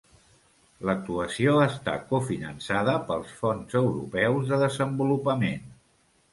L'actuació està cofinançada pels Fons Europeus de Desenvolupament.